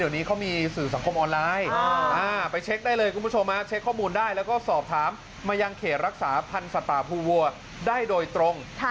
เดี๋ยวนี้เขามีสื่อสังคมออนไลน์ไปเช็คได้เลยคุณผู้ชมเช็คข้อมูลได้แล้วก็สอบถามมายังเขตรักษาพันธ์สัตว์ป่าภูวัวได้โดยตรง